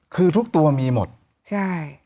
คือทุกตัวมีหมดใช่